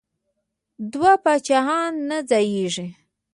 دوه پاچاهان نه ځاییږي.